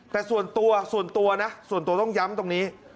แต่ส่วนตัวส่วนตัวนะส่วนตัวต้องย้ำตรงนี้